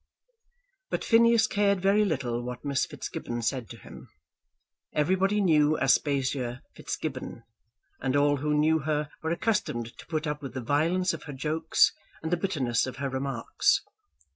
But Phineas cared very little what Miss Fitzgibbon said to him. Everybody knew Aspasia Fitzgibbon, and all who knew her were accustomed to put up with the violence of her jokes and the bitterness of her remarks.